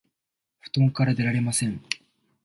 布団から出られません